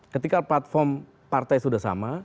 ketika platform partai sudah sama